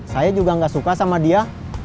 saya juga gak suka sama dia